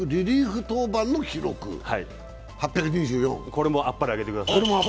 これもあっぱれあげてください。